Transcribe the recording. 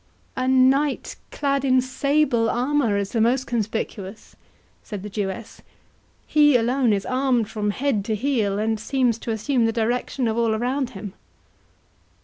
"A knight, clad in sable armour, is the most conspicuous," said the Jewess; "he alone is armed from head to heel, and seems to assume the direction of all around him."